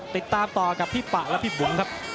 ติดตามต่อกับพี่ปะและพี่บุ๋มครับ